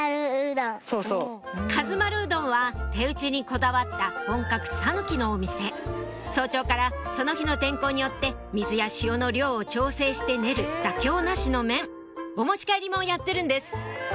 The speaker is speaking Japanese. かず丸うどんは手打ちにこだわった本格讃岐のお店早朝からその日の天候によって水や塩の量を調整して練る妥協なしの麺お持ち帰りもやってるんです